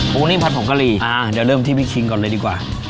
นิ่มผัดผงกะหรี่เดี๋ยวเริ่มที่พี่คิงก่อนเลยดีกว่า